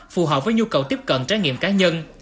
phù hợp với nhu cầu tiếp cận trái nghiệm cá nhân